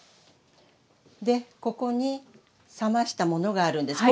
でここに冷ましたものがあるんです。